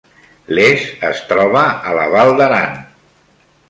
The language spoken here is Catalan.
Les es troba a la Val d’Aran